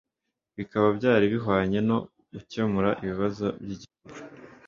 bikaba byari bihwanye no gukemura ibibazo by' i gihugu.